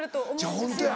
ホントや。